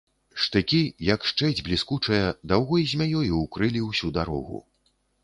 Штыкі, як шчэць бліскучая, даўгой змяёю ўкрылі ўсю дарогу.